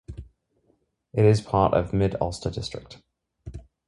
It is part of Mid-Ulster District.